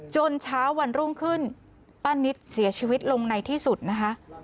เช้าวันรุ่งขึ้นป้านิตเสียชีวิตลงในที่สุดนะคะ